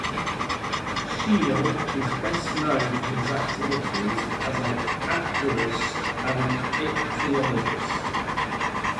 Scheel is best known for his activities as an aquarist and ichthyologist.